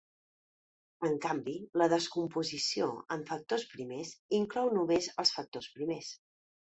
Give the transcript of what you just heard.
En canvi la descomposició en factors primers inclou només els factors primers.